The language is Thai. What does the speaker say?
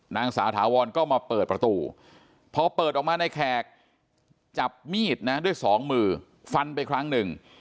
นางสาวถาวรก็มาเปิดประตูพอเปิดออกมาในแขกจับมีดนะด้วยสองมือฟันไปครั้งหนึ่ง